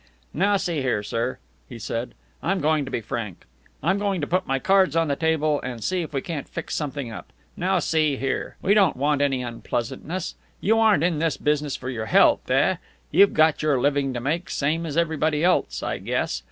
"Now, see here, sir," he said, "I'm going to be frank. I'm going to put my cards on the table, and see if we can't fix something up. Now, see here. We don't want any unpleasantness. You aren't in this business for your health, eh? You've got your living to make, same as everybody else, I guess.